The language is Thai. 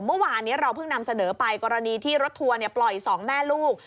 เมื่อวานนี้เราเพิ่งนำเสนอไปกรณีที่รถทัวร์ปล่อย๒แม่ลูก